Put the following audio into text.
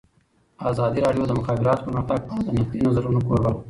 ازادي راډیو د د مخابراتو پرمختګ په اړه د نقدي نظرونو کوربه وه.